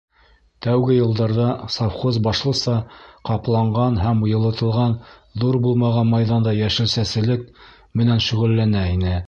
Тәүге йылдарҙа совхоз башлыса ҡапланған һәм йылытылған ҙур булмаған майҙанда йәшелсәселек менән шөғөлләнә ине.